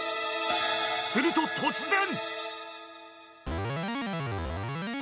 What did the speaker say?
すると、突然！